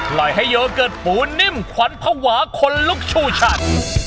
ปล่อยให้โยเกิร์ตปูนิ่มขวัญภาวะคนลุกชูชัน